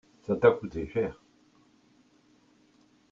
ça t'as coûté cher.